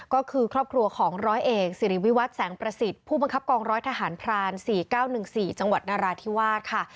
ก็คือครอบครัวของร้อยเอกสิริวิวัตรแสงประสิทธิ์ผู้บังคับกองร้อยทหารพราน๔๙๑๔จังหวัดนราธิวาสค่ะ